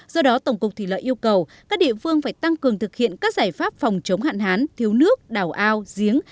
do đó tổng cục thủy lợi yêu cầu các địa phương phải tăng cường thực hiện các giải pháp phòng chống hạn hán thiếu nước đào ao giếng